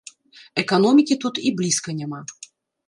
Эканомікі тут і блізка няма.